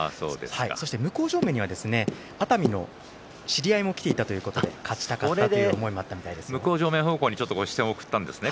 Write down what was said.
そして向正面には熱海の知り合いも来ていたということで勝ちたかったという思いがそれで向正面方向に視線を送ったんですね